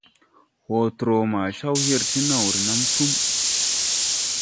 Hotrɔ ma caw her ti naw renam Tim.